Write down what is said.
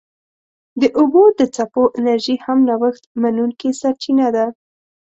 د اوبو د څپو انرژي هم نوښت منونکې سرچینه ده.